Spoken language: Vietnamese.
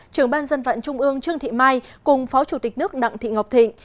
trưởng ban dân vận trung ương trương thị mai cùng phó chủ tịch nước đặng thị ngọc thịnh